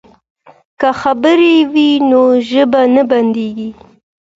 که خبرې وي نو ژبه نه بندیږي.